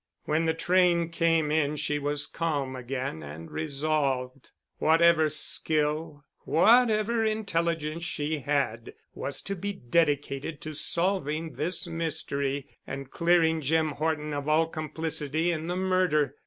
When the train came in she was calm again and resolved. Whatever skill, whatever intelligence she had, was to be dedicated to solving this mystery, and clearing Jim Horton of all complicity in the murder.